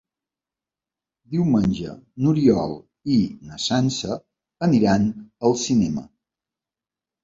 Diumenge n'Oriol i na Sança aniran al cinema.